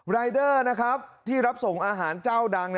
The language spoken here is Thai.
ไลเดอร์ที่รับส่งอาหารเจ้าดัง